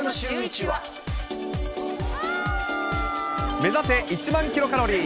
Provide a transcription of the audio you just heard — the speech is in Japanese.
目指せ１万キロカロリー！